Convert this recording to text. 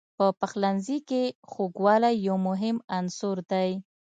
په پخلنځي کې خوږوالی یو مهم عنصر دی.